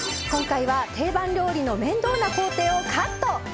今回は定番料理の面倒な工程をカット。